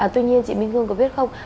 tuy nhiên chị minh hương có biết không